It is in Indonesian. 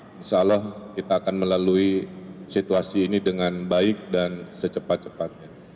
insya allah kita akan melalui situasi ini dengan baik dan secepat cepatnya